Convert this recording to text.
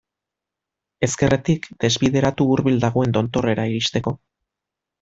Ezkerretik, desbideratu hurbil dagoen tontorrera iristeko.